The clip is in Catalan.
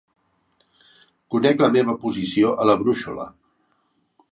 Conec la meva posició a la brúixola.